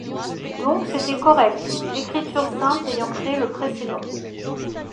Donc, c’était correct, l’écriture sainte ayant créé le précédent.